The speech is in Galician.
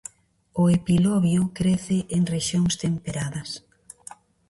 O epilobio crece en rexións temperadas.